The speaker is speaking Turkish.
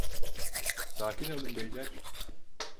Sakin olun beyler.